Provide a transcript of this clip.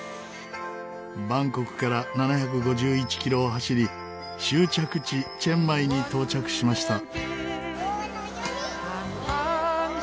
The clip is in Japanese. バンコクから７５１キロを走り終着地チェンマイに到着しました。